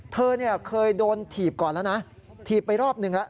เธอเนี่ยเคยโดนถีบก่อนแล้วนะถีบไปรอบนึงละ